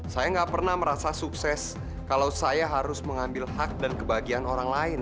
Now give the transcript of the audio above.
saya nggak pernah merasa sukses kalau saya harus mengambil hak dan kebahagiaan orang lain